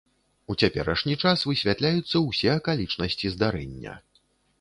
У цяперашні час высвятляюцца ўсе акалічнасці здарэння.